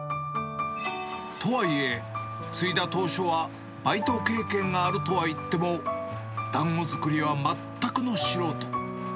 とはいえ、継いだ当初は、バイト経験があるとはいっても、だんご作りは全くの素人。